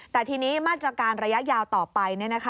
แต่ทีนี้มาตรการระยะยาวต่อไป